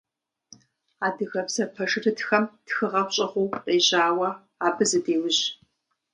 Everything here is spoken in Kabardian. Адыгэбзэ пэжырытхэм тхыгъэм щӏыгъуу къежьауэ, абы зыдеужь.